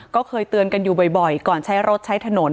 ก็เคยเตือนกันอยู่บ่อยก่อนใช้รถใช้ถนน